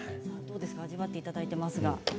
味わっていただいています。